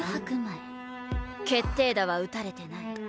決定打は打たれてない。